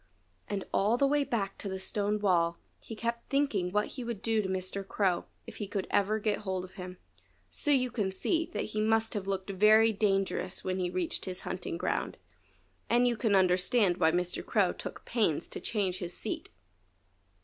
And all the way back to the stone wall he kept thinking what he would do to Mr. Crow if he could ever get hold of him. So you can see that he must have looked very dangerous when he reached his hunting ground; and you can understand why Mr. Crow took pains to change his seat.